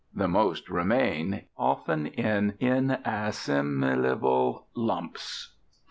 The most remain, often in inassimilable lumps.